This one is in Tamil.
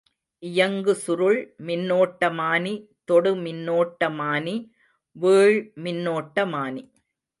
இயங்குசுருள் மின்னோட்டமானி, தொடு மின்னோட்ட மானி, வீழ் மின்னோட்டமானி.